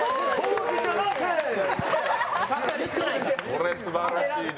これ、すばらしいね。